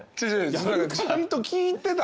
ちゃんと聞いてた？